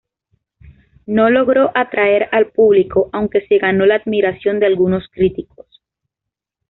No logró atraer al público, aunque se ganó la admiración de algunos críticos.